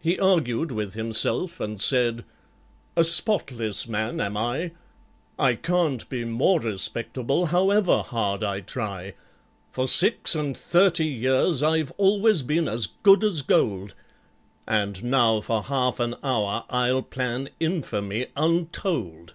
He argued with himself, and said, "A spotless man am I; I can't be more respectable, however hard I try! For six and thirty years I've always been as good as gold, And now for half an hour I'll plan infamy untold!